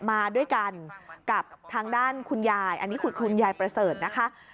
มาด้วยกันกับทางด้านคุณยายอันนี้คือคุณยายประเสริฐนะคะ